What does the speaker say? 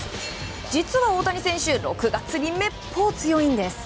実は大谷選手６月にめっぽう強いんです。